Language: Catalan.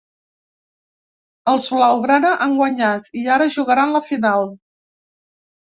Els blau-grana han guanyat i ara jugaran la final.